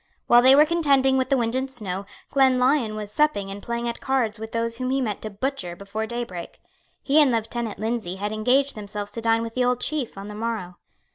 While they were contending with the wind and snow, Glenlyon was supping and playing at cards with those whom he meant to butcher before daybreak. He and Lieutenant Lindsay had engaged themselves to dine with the old Chief on the morrow.